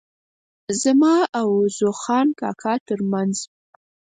زما او عوض خان کاکا ترمنځ.